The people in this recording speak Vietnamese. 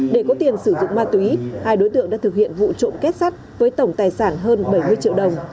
để có tiền sử dụng ma túy hai đối tượng đã thực hiện vụ trộm kết sắt với tổng tài sản hơn bảy mươi triệu đồng